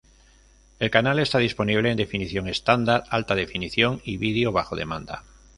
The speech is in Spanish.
El canal está disponible en definición estándar, alta definición y vídeo bajo demanda.